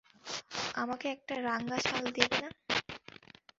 আমাকে একটা রাঙা শাল দেবে না?